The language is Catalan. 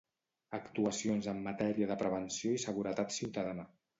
Actuacions en matèria de prevenció i seguretat ciutadana